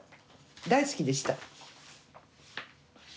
大好きでした。